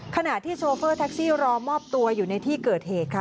ขณะที่โชเฟอร์แท็กซี่รอมอบตัวอยู่ในที่เกิดเหตุค่ะ